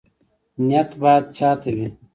نیت باید چا ته وي؟